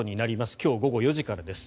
今日午後４時からです。